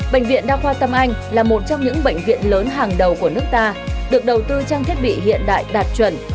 bệnh viện đa khoa tâm anh là một trong những bệnh viện lớn hàng đầu của nước ta được đầu tư trang thiết bị hiện đại đạt chuẩn